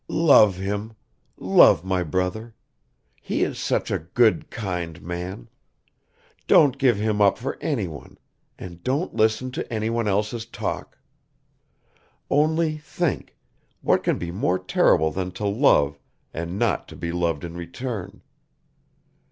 "Love him, love my brother! He is such a good kind man. Don't give him up for anyone, don't listen to anyone else's talk. Only think, what can be more terrible than to love and not to be loved in return.